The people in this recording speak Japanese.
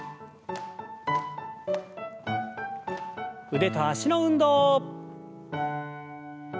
腕と脚の運動。